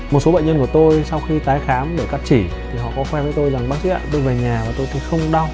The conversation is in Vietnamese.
một số bệnh nhân của tôi sau khi tái khám để cắt chỉ thì họ có quen với tôi rằng bác sĩ ạ tôi về nhà và tôi không đau